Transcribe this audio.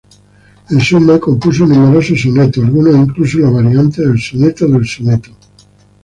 En suma compuso numerosos sonetos, alguno incluso en la variante del "soneto del soneto".